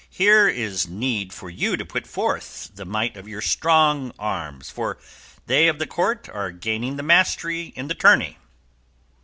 here is need for you to put forth the might of your strong arms, for they of the Court are gaining the mastery in the tourney!"